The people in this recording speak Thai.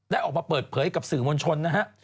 ออกมาเปิดเผยกับสื่อมวลชนนะฮะ